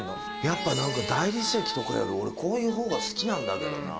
やっぱ何か大理石とかより俺こういうほうが好きなんだけどな。